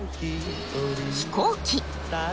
飛行機。